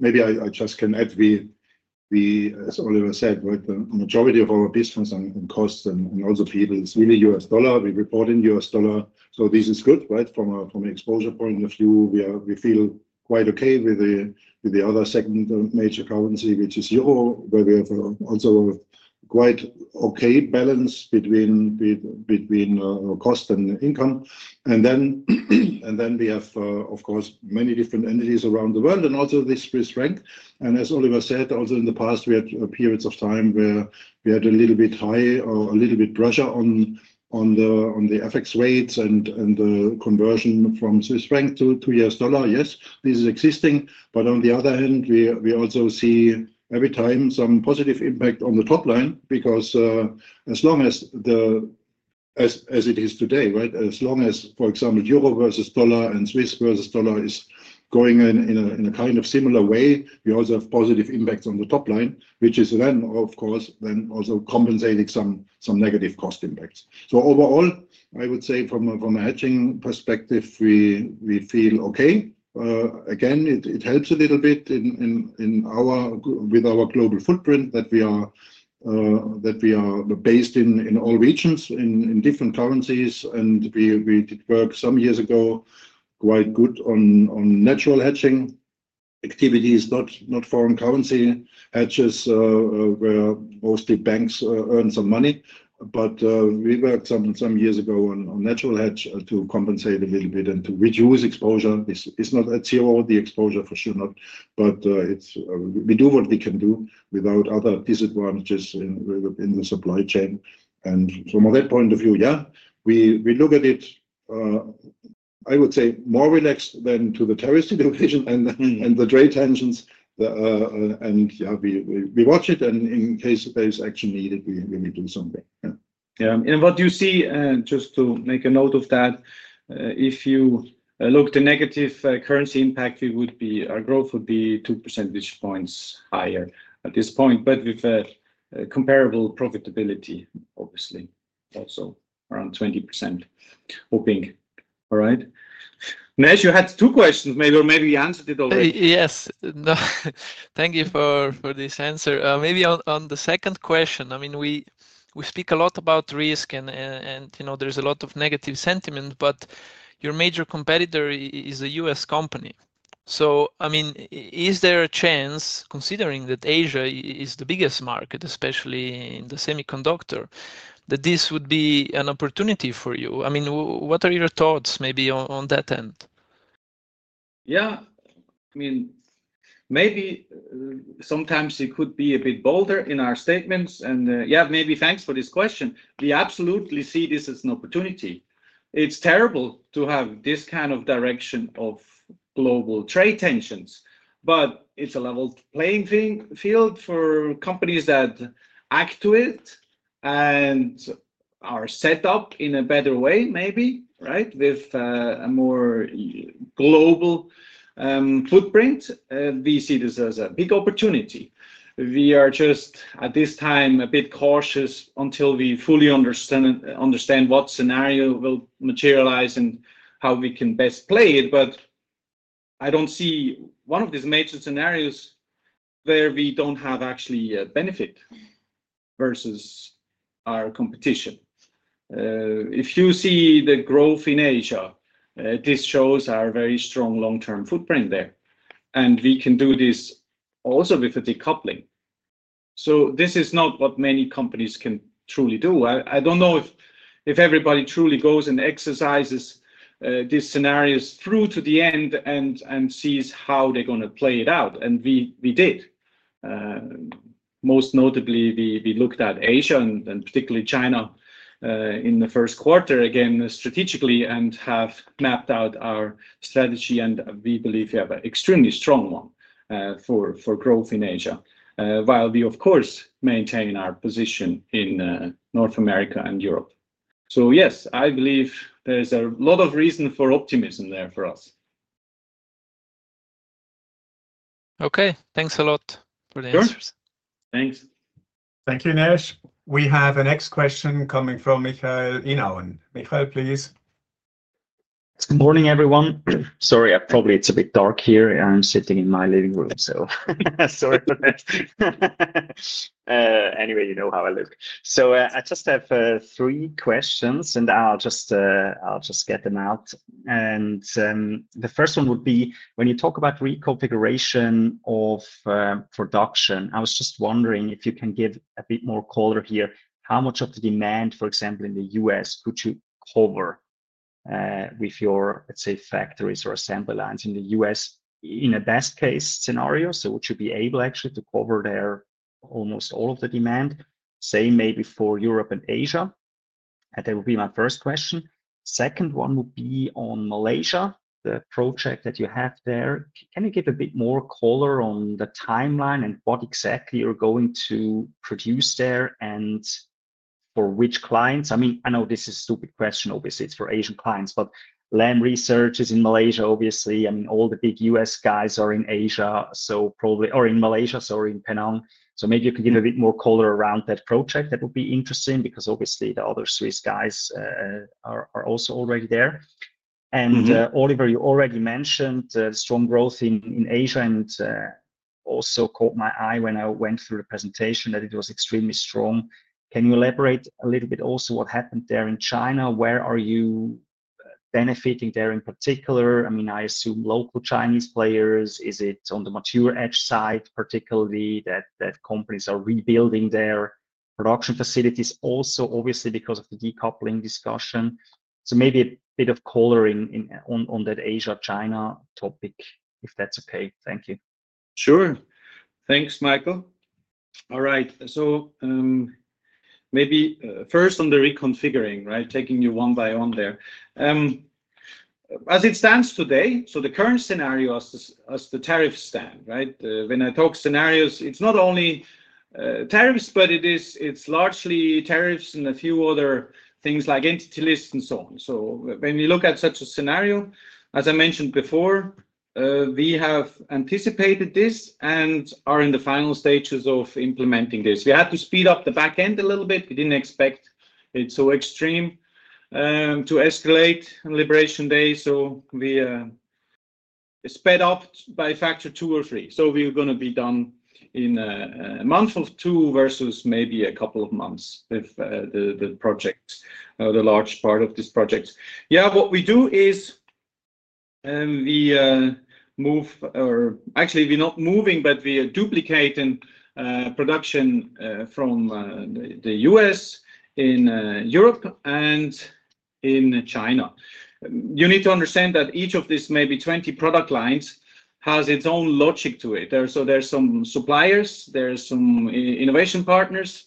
Maybe I just can add, as Oliver said, the majority of our business and cost and also people is really U.S. dollar. We report in U.S. dollar. This is good, right? From an exposure point of view, we feel quite okay with the other second major currency, which is euro, where we have also quite okay balance between cost and income. We have, of course, many different entities around the world and also this Swiss franc. As Oliver said, also in the past, we had periods of time where we had a little bit high or a little bit pressure on the FX rates and the conversion from Swiss franc to U.S. dollar. Yes, this is existing. On the other hand, we also see every time some positive impact on the top line because as long as it is today, right, as long as, for example, euro versus dollar and Swiss versus dollar is going in a kind of similar way, we also have positive impacts on the top line, which is then, of course, also compensating some negative cost impacts. Overall, I would say from a hedging perspective, we feel okay. Again, it helps a little bit with our global footprint that we are based in all regions in different currencies. We did work some years ago quite good on natural hedging activities, not foreign currency hedges where mostly banks earn some money. We worked some years ago on natural hedge to compensate a little bit and to reduce exposure. It's not at zero, the exposure for sure not. We do what we can do without other disadvantages in the supply chain. From that point of view, yeah, we look at it, I would say, more relaxed than to the tariff situation and the trade tensions. Yeah, we watch it. In case there is action needed, we may do something. Yeah. What you see, just to make a note of that, if you look at the negative currency impact, our growth would be 2 percentage points higher at this point, but with comparable profitability, obviously, also around 20%, hoping. All right? Nigel, you had two questions maybe, or maybe you answered it already. Yes. Thank you for this answer. Maybe on the second question, I mean, we speak a lot about risk and there is a lot of negative sentiment, but your major competitor is a U.S. company. I mean, is there a chance, considering that Asia is the biggest market, especially in the semiconductor, that this would be an opportunity for you? I mean, what are your thoughts maybe on that end? Yeah. I mean, maybe sometimes it could be a bit bolder in our statements. Yeah, maybe thanks for this question. We absolutely see this as an opportunity. It's terrible to have this kind of direction of global trade tensions, but it's a level playing field for companies that act to it and are set up in a better way, maybe, right, with a more global footprint. We see this as a big opportunity. We are just, at this time, a bit cautious until we fully understand what scenario will materialize and how we can best play it. I don't see one of these major scenarios where we don't have actually a benefit versus our competition. If you see the growth in Asia, this shows our very strong long-term footprint there. We can do this also with a decoupling. This is not what many companies can truly do. I don't know if everybody truly goes and exercises these scenarios through to the end and sees how they're going to play it out. We did. Most notably, we looked at Asia and particularly China in the first quarter, again, strategically and have mapped out our strategy. We believe we have an extremely strong one for growth in Asia, while we, of course, maintain our position in North America and Europe. Yes, I believe there's a lot of reason for optimism there for us. Okay. Thanks a lot for the answers. Sure. Thanks. Thank you, Nigel. We have a next question coming from Michael Inauen. Michael, please. Good morning, everyone. Sorry, probably it's a bit dark here. I'm sitting in my living room, so. Sorry for that. Anyway, you know how I live. I just have three questions, and I'll just get them out. The first one would be, when you talk about reconfiguration of production, I was just wondering if you can give a bit more color here, how much of the demand, for example, in the U.S., could you cover with your, let's say, factories or assembly lines in the U.S. in a best-case scenario? Would you be able actually to cover there almost all of the demand, say, maybe for Europe and Asia? That would be my first question. Second one would be on Malaysia, the project that you have there. Can you give a bit more color on the timeline and what exactly you're going to produce there and for which clients? I mean, I know this is a stupid question, obviously. It's for Asian clients, but Lam Research is in Malaysia, obviously. I mean, all the big U.S. guys are in Asia, probably or in Malaysia, sorry, in Penang. Maybe you can give a bit more color around that project, that would be interesting because, obviously, the other Swiss guys are also already there. Oliver, you already mentioned strong growth in Asia and also caught my eye when I went through the presentation that it was extremely strong. Can you elaborate a little bit also what happened there in China? Where are you benefiting there in particular? I mean, I assume local Chinese players. Is it on the mature edge side, particularly that companies are rebuilding their production facilities also, obviously, because of the decoupling discussion? Maybe a bit of color on that Asia-China topic, if that's okay. Thank you. Sure. Thanks, Michael. All right. Maybe first on the reconfiguring, right, taking you one by one there. As it stands today, the current scenario as the tariffs stand, when I talk scenarios, it's not only tariffs, but it's largely tariffs and a few other things like entity lists and so on. When we look at such a scenario, as I mentioned before, we have anticipated this and are in the final stages of implementing this. We had to speed up the back end a little bit. We did not expect it so extreme to escalate on Liberation Day. We sped up by factor two or three. We were going to be done in a month or two versus maybe a couple of months with the project, the large part of this project. Yeah, what we do is we move, or actually, we're not moving, but we are duplicating production from the U.S. in Europe and in China. You need to understand that each of these maybe 20 product lines has its own logic to it. There are some suppliers, there are some innovation partners,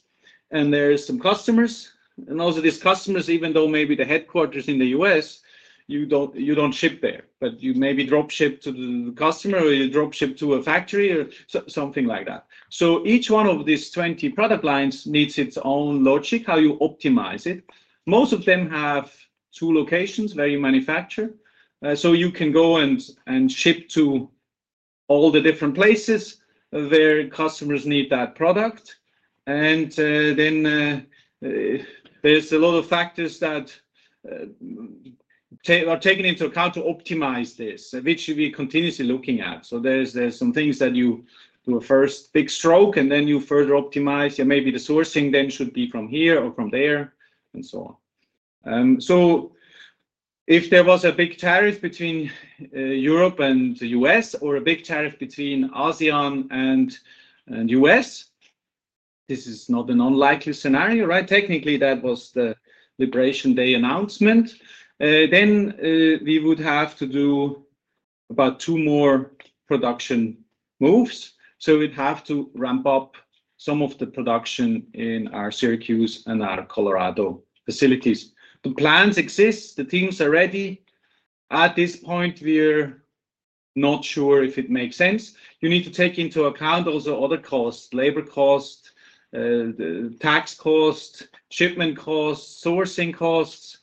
and there are some customers. Also, these customers, even though maybe the headquarters is in the U.S., you do not ship there, but you maybe drop ship to the customer or you drop ship to a factory or something like that. Each one of these 20 product lines needs its own logic, how you optimize it. Most of them have two locations, very manufactured. You can go and ship to all the different places where customers need that product. There are a lot of factors that are taken into account to optimize this, which we're continuously looking at. There are some things that you do a first big stroke, and then you further optimize. Maybe the sourcing then should be from here or from there and so on. If there was a big tariff between Europe and the U.S. or a big tariff between ASEAN and the U.S., this is not an unlikely scenario, right? Technically, that was the Liberation Day announcement. We would have to do about two more production moves. We would have to ramp up some of the production in our Syracuse and our Colorado facilities. The plans exist. The teams are ready. At this point, we're not sure if it makes sense. You need to take into account also other costs, labor costs, tax costs, shipment costs, sourcing costs.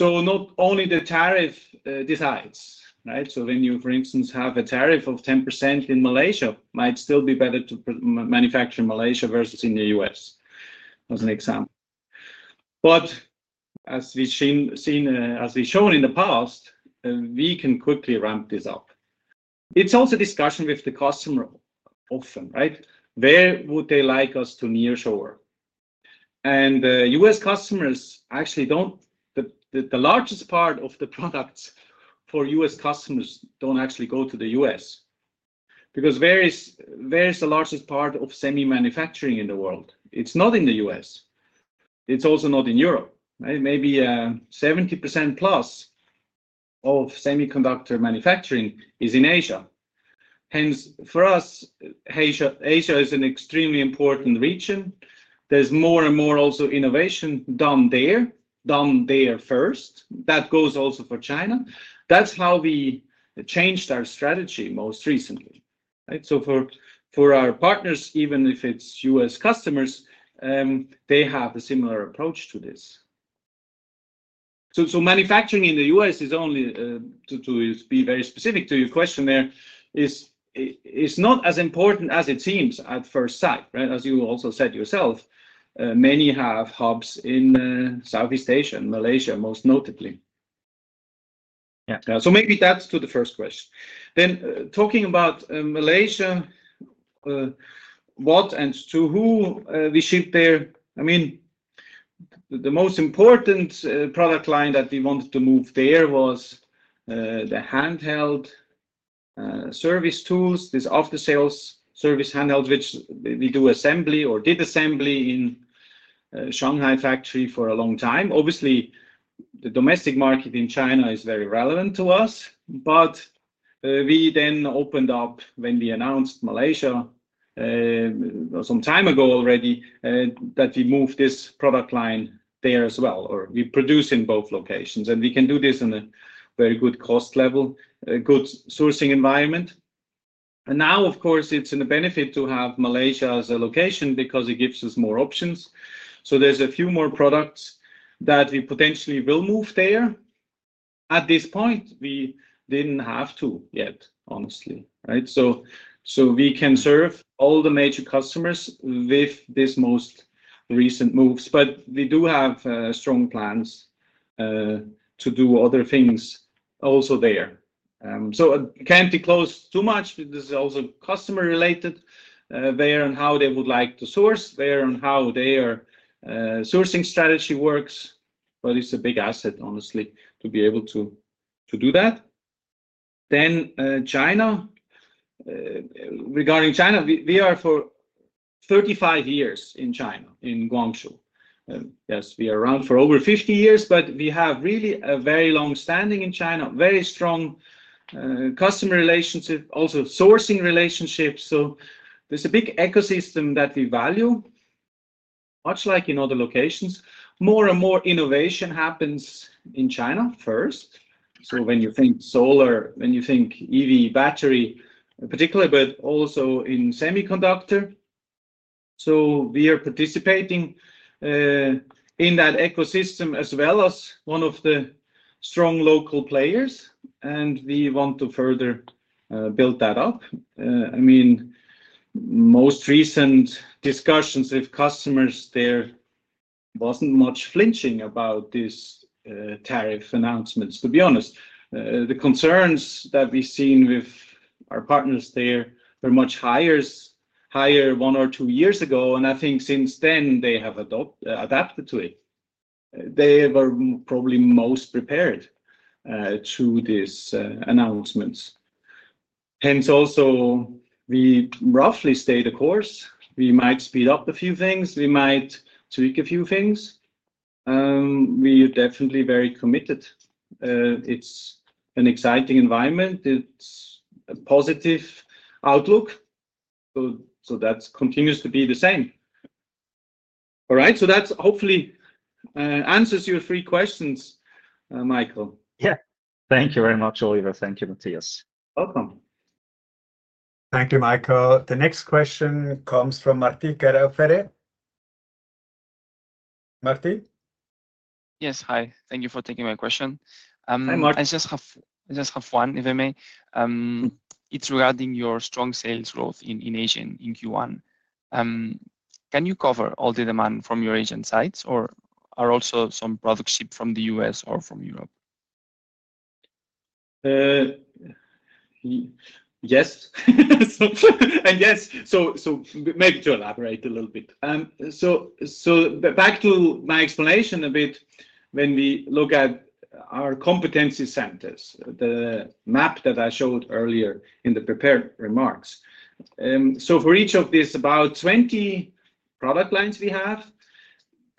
Not only the tariff decides, right? When you, for instance, have a tariff of 10% in Malaysia, it might still be better to manufacture in Malaysia versus in the U.S., as an example. As we have seen, as we have shown in the past, we can quickly ramp this up. It is also a discussion with the customer often, right? Where would they like us to near shore? U.S. customers actually do not—the largest part of the products for U.S. customers do not actually go to the U.S. because where is the largest part of semi-manufacturing in the world? It is not in the U.S. It is also not in Europe. Maybe 70%+ of semiconductor manufacturing is in Asia. Hence, for us, Asia is an extremely important region. There's more and more also innovation done there, done there first. That goes also for China. That's how we changed our strategy most recently, right? For our partners, even if it's U.S. customers, they have a similar approach to this. Manufacturing in the U.S. is only, to be very specific to your question there, it's not as important as it seems at first sight, right? As you also said yourself, many have hubs in Southeast Asia, Malaysia most notably. Maybe that's to the first question. Talking about Malaysia, what and to who we ship there. I mean, the most important product line that we wanted to move there was the handheld service tools, this after-sales service handheld, which we do assembly or did assembly in Shanghai factory for a long time. Obviously, the domestic market in China is very relevant to us, but we then opened up when we announced Malaysia some time ago already that we moved this product line there as well, or we produce in both locations. We can do this on a very good cost level, a good sourcing environment. Now, of course, it is a benefit to have Malaysia as a location because it gives us more options. There are a few more products that we potentially will move there. At this point, we did not have to yet, honestly, right? We can serve all the major customers with these most recent moves, but we do have strong plans to do other things also there. I cannot be close too much. This is also customer-related there and how they would like to source there and how their sourcing strategy works, but it's a big asset, honestly, to be able to do that. China. Regarding China, we are for 35 years in China, in Guangzhou. Yes, we are around for over 50 years, but we have really a very long standing in China, very strong customer relationship, also sourcing relationship. There is a big ecosystem that we value, much like in other locations. More and more innovation happens in China first. When you think solar, when you think EV battery particularly, but also in semiconductor. We are participating in that ecosystem as well as one of the strong local players, and we want to further build that up. I mean, most recent discussions with customers there, there wasn't much flinching about these tariff announcements, to be honest. The concerns that we've seen with our partners there were much higher one or two years ago, and I think since then they have adapted to it. They were probably most prepared to these announcements. Hence, also we roughly stayed the course. We might speed up a few things. We might tweak a few things. We are definitely very committed. It's an exciting environment. It's a positive outlook. That continues to be the same. All right. That hopefully answers your three questions, Michael. Yeah. Thank you very much, Oliver. Thank you, Matthias. Welcome. Thank you, Michael. The next question comes from Martí Carafere. Martí? Yes. Hi. Thank you for taking my question. I just have one, if I may. It's regarding your strong sales growth in Asia in Q1. Can you cover all the demand from your Asian sites, or are also some products shipped from the U.S. or from Europe? Yes. I guess. Maybe to elaborate a little bit. Back to my explanation a bit, when we look at our competency centers, the map that I showed earlier in the prepared remarks. For each of these, about 20 product lines we have.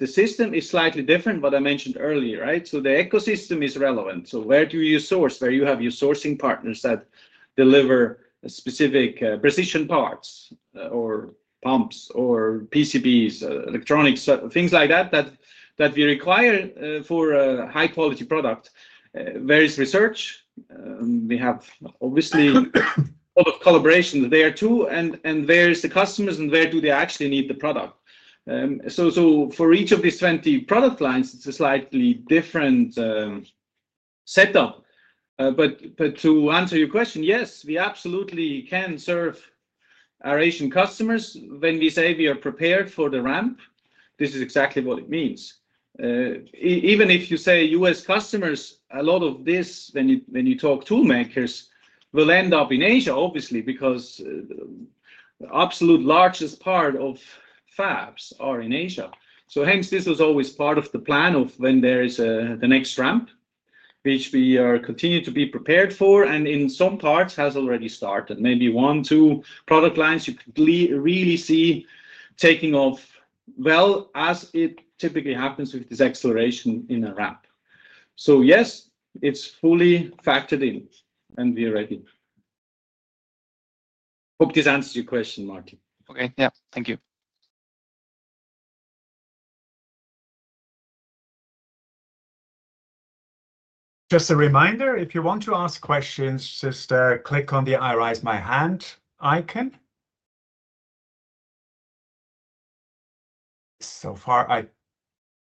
The system is slightly different, what I mentioned earlier, right? The ecosystem is relevant. Where do you source? Where you have your sourcing partners that deliver specific precision parts or pumps or PCBs, electronics, things like that that we require for a high-quality product. There is research. We have obviously a lot of collaboration there too. Where are the customers, and where do they actually need the product? For each of these 20 product lines, it's a slightly different setup. To answer your question, yes, we absolutely can serve our Asian customers. When we say we are prepared for the ramp, this is exactly what it means. Even if you say US customers, a lot of this, when you talk to makers, will end up in Asia, obviously, because the absolute largest part of fabs are in Asia. Hence, this was always part of the plan of when there is the next ramp, which we are continuing to be prepared for, and in some parts has already started. Maybe one or two product lines you could really see taking off well as it typically happens with this acceleration in a ramp. Yes, it's fully factored in, and we're ready. Hope this answers your question, Martí. Okay. Yeah. Thank you. Just a reminder, if you want to ask questions, just click on the I Raise My Hand icon. So far, I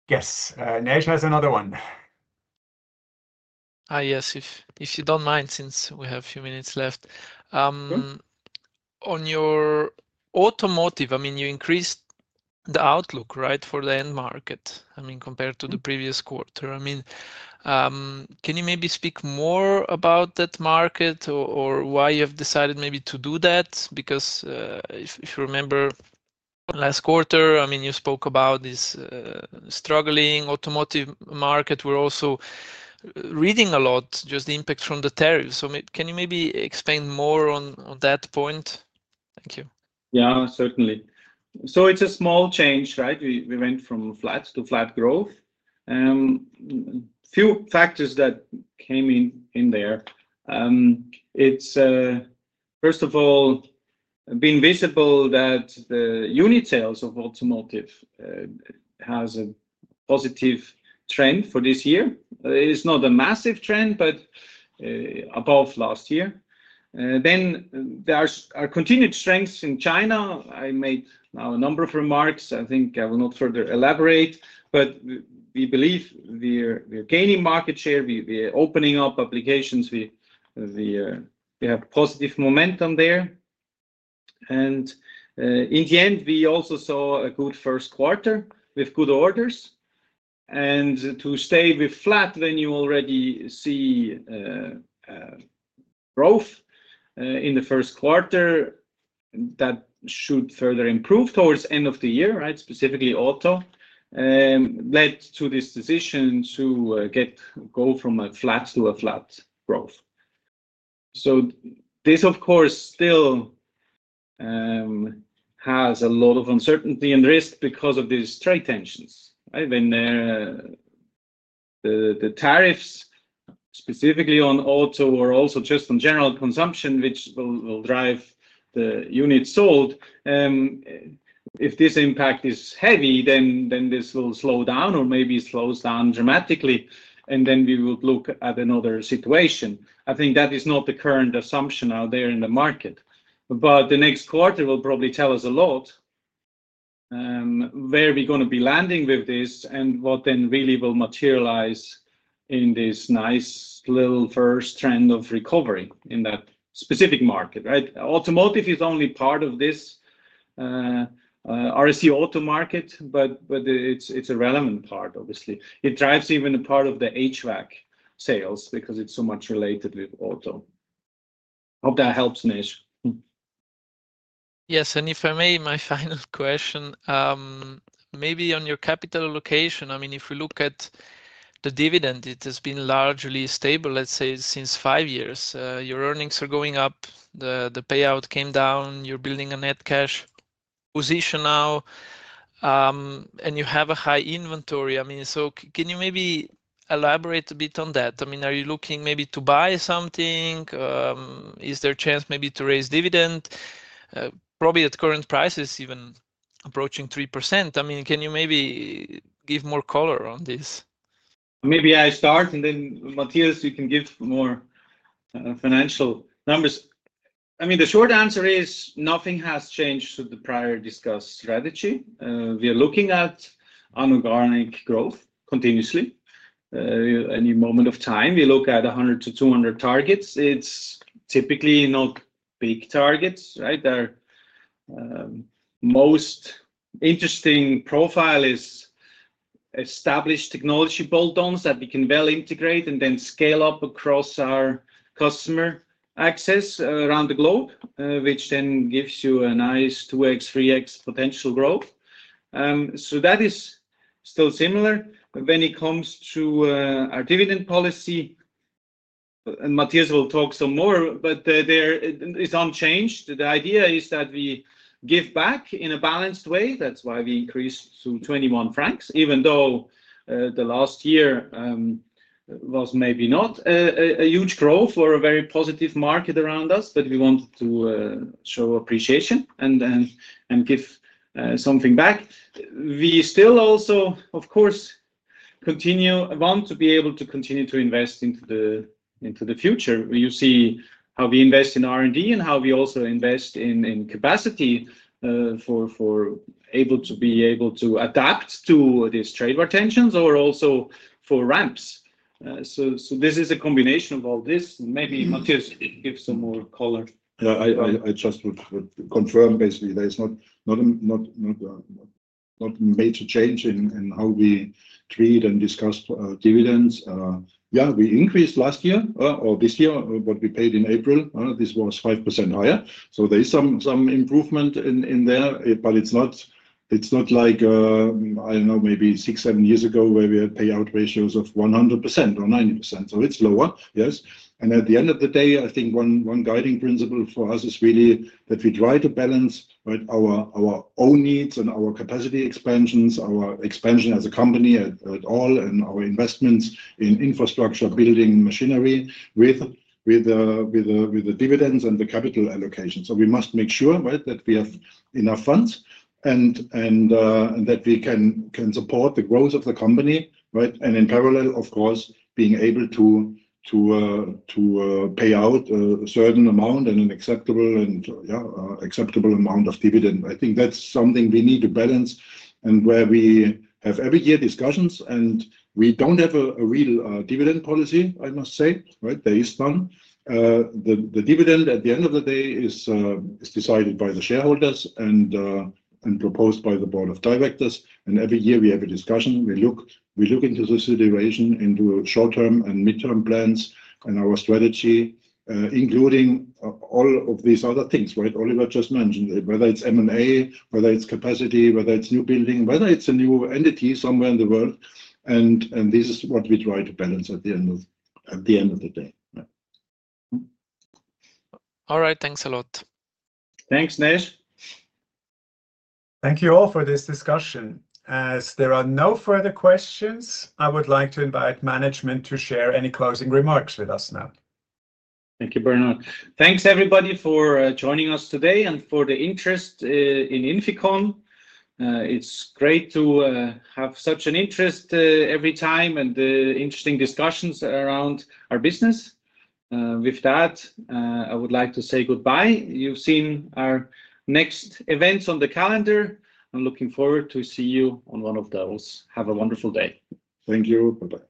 guess Nej has another one. Yes, if you do not mind, since we have a few minutes left. On your automotive, I mean, you increased the outlook, right, for the end market, I mean, compared to the previous quarter. I mean, can you maybe speak more about that market or why you have decided maybe to do that? Because if you remember last quarter, I mean, you spoke about this struggling automotive market. We are also reading a lot just the impact from the tariffs. Can you maybe explain more on that point? Thank you. Yeah, certainly. It is a small change, right? We went from flat to flat growth. A few factors that came in there. First of all, being visible that the unit sales of automotive has a positive trend for this year. It's not a massive trend, but above last year. There are continued strengths in China. I made now a number of remarks. I think I will not further elaborate, but we believe we're gaining market share. We're opening up applications. We have positive momentum there. In the end, we also saw a good first quarter with good orders. To stay with flat, when you already see growth in the first quarter, that should further improve towards the end of the year, right? Specifically auto, led to this decision to go from a flat to a flat growth. This, of course, still has a lot of uncertainty and risk because of these trade tensions, right? When the tariffs, specifically on auto or also just on general consumption, which will drive the units sold, if this impact is heavy, this will slow down or maybe slows down dramatically. We would look at another situation. I think that is not the current assumption out there in the market. The next quarter will probably tell us a lot where we're going to be landing with this and what then really will materialize in this nice little first trend of recovery in that specific market, right? Automotive is only part of this RSC auto market, but it's a relevant part, obviously. It drives even a part of the HVAC sales because it's so much related with auto. Hope that helps, Nej. Yes. If I may, my final question, maybe on your capital allocation. I mean, if we look at the dividend, it has been largely stable, let's say, since five years. Your earnings are going up. The payout came down. You're building a net cash position now, and you have a high inventory. I mean, so can you maybe elaborate a bit on that? I mean, are you looking maybe to buy something? Is there a chance maybe to raise dividend? Probably at current prices, even approaching 3%. I mean, can you maybe give more color on this? Maybe I start, and then Matthias, you can give more financial numbers. I mean, the short answer is nothing has changed to the prior discussed strategy. We are looking at an organic growth continuously. Any moment of time, we look at 100-200 targets. It's typically not big targets, right? Most interesting profile is established technology bolt-ons that we can well integrate and then scale up across our customer access around the globe, which then gives you a nice 2x, 3x potential growth. That is still similar. When it comes to our dividend policy, Matthias will talk some more, but it is unchanged. The idea is that we give back in a balanced way. That is why we increased to 21 francs, even though the last year was maybe not a huge growth or a very positive market around us, but we wanted to show appreciation and give something back. We still also, of course, want to be able to continue to invest into the future. You see how we invest in R&D and how we also invest in capacity for able to be able to adapt to these trade war tensions or also for ramps. This is a combination of all this. Maybe Matthias gives some more color. Yeah, I just would confirm basically there's not a major change in how we treat and discuss dividends. Yeah, we increased last year or this year, but we paid in April. This was 5% higher. There is some improvement in there, but it's not like, I don't know, maybe six, seven years ago where we had payout ratios of 100% or 90%. It's lower, yes. At the end of the day, I think one guiding principle for us is really that we try to balance our own needs and our capacity expansions, our expansion as a company at all, and our investments in infrastructure, building, machinery with the dividends and the capital allocation. We must make sure that we have enough funds and that we can support the growth of the company, right? In parallel, of course, being able to pay out a certain amount and an acceptable amount of dividend. I think that's something we need to balance and where we have every year discussions, and we don't have a real dividend policy, I must say, right? There is none. The dividend at the end of the day is decided by the shareholders and proposed by the board of directors. Every year we have a discussion. We look into the situation, into short-term and midterm plans and our strategy, including all of these other things, right? Oliver just mentioned, whether it's M&A, whether it's capacity, whether it's new building, whether it's a new entity somewhere in the world. This is what we try to balance at the end of the day. All right. Thanks a lot. Thanks, Nej. Thank you all for this discussion. As there are no further questions, I would like to invite management to share any closing remarks with us now. Thank you very much. Thanks, everybody, for joining us today and for the interest in INFICON. It's great to have such an interest every time and interesting discussions around our business. With that, I would like to say goodbye. You've seen our next events on the calendar. I'm looking forward to see you on one of those. Have a wonderful day. Thank you. Bye-bye. Bye.